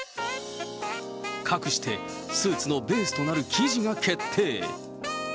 かくしてスーツのベースとなる生地が決定。